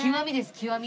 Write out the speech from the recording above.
極み。